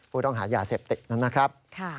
ผู้ต้องหายาเสพติดนั้นนะครับ